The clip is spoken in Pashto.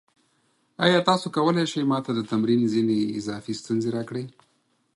ایا تاسو کولی شئ ما ته د تمرین ځینې اضافي ستونزې راکړئ؟